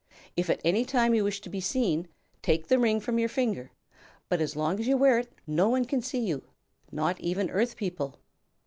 If at any time you wish to be seen, take the ring from your finger; but as long as you wear it, no one can see you not even Earth people."